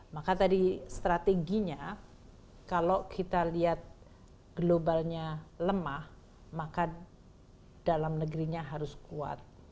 maka tadi strateginya kalau kita lihat globalnya lemah maka dalam negerinya harus kuat